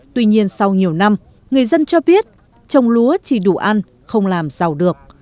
tuy nhiên sau nhiều năm người dân cho biết trồng lúa chỉ đủ ăn không làm giàu được